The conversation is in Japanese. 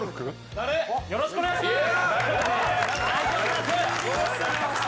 よろしくお願いします！